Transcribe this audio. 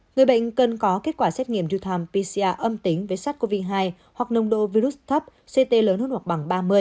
người bệnh cần có kết quả xét nghiệm du tham pcr âm tính với sars cov hai hoặc nông độ virus thấp ct lớn hơn hoặc bằng ba mươi